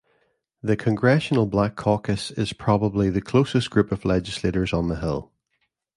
The Congressional Black Caucus is probably the closest group of legislators on the Hill.